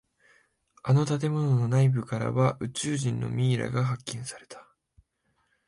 あの建物の内部からは宇宙人のミイラが発見された。